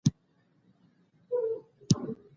او په نه موجودیت کي یې منځ ته راځي